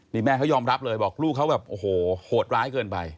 นี่แม่เขายอมรับเลยบอกลูกเขาแบบโอ้โหโหดร้ายเกินไป